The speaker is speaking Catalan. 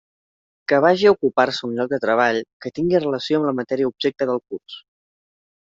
Que vaja a ocupar-se un lloc de treball que tinga relació amb la matèria objecte del curs.